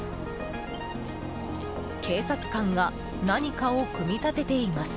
警察官が何かを組み立てています。